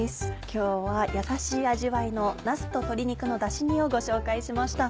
今日はやさしい味わいの「なすと鶏肉のだし煮」をご紹介しました。